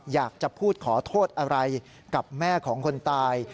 อยากจะพูดขอโทษอะไรกับแม่ของคนตาย